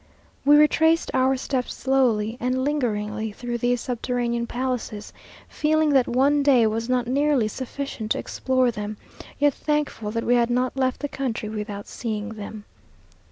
We retraced our steps slowly and lingeringly through these subterranean palaces, feeling that one day was not nearly sufficient to explore them, yet thankful that we had not left the country without seeing them.